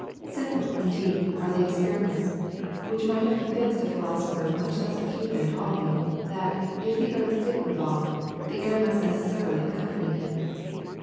Simple, indeed, are the experiments which might have convinced a philosopher much less acute than Ptolemy, that, if the earth did revolve, the air must necessarily accompany it.